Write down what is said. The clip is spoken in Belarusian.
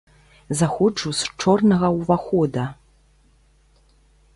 Заходжу з чорнага ўвахода.